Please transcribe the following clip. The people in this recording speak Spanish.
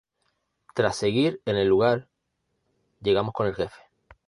Tras seguir en el lugar, llegamos con el jefe.